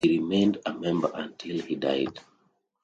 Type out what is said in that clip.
He remained a member until he died.